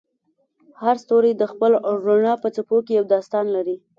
هر ستوری د خپل رڼا په څپو کې یو داستان لري.